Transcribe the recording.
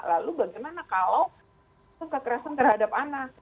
lalu bagaimana kalau kekerasan terhadap anak